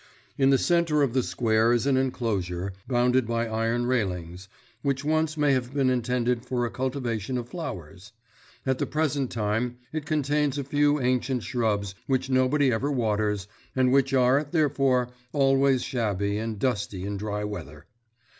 In the centre of the square is an enclosure, bounded by iron railings, which once may have been intended for the cultivation of flowers; at the present time it contains a few ancient shrubs which nobody ever waters, and which are, therefore, always shabby and dusty in dry weather.